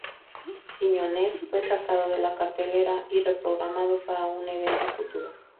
Quiñónez fue sacado de la cartelera y reprogramado para un evento futuro.